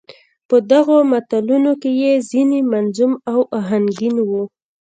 په دغو متلونو کې يې ځينې منظوم او اهنګين وو.